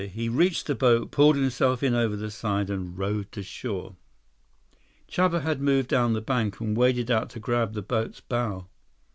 He reached the boat, pulled himself in over the side, and rowed to shore. Chuba had moved down the bank, and waded out to grab the boat's bow.